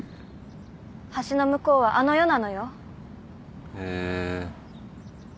橋の向こうはあの世なのよ